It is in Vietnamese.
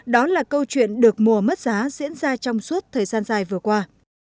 đó là câu chuyện được mùa mất giá diễn ra trong suốt thời gian dài vừa qua